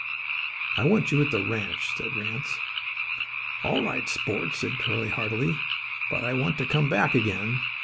"I want you at the ranch," said Ranse. "All right, sport," said Curly, heartily. "But I want to come back again.